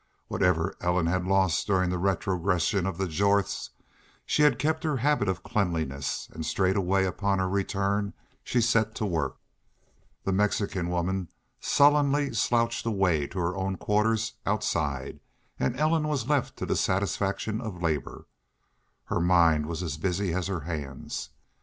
Whatever Ellen had lost during the retrogression of the Jorths, she had kept her habits of cleanliness, and straightway upon her return she set to work. The Mexican woman sullenly slouched away to her own quarters outside and Ellen was left to the satisfaction of labor. Her mind was as busy as her hands.